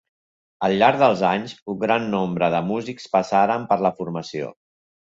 Al llarg dels anys, un gran nombre de músics passaren per la formació.